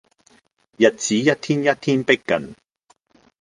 日子一天一天迫近